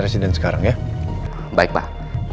presiden sekarang ya baik pak